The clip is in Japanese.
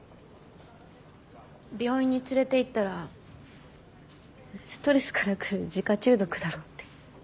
病院に連れていったらストレスから来る自家中毒だろうって。